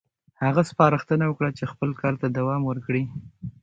هغه سپارښتنه وکړه چې خپل کار ته دوام ورکړي.